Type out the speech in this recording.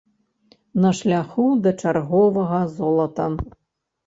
На шляху да чарговага золата.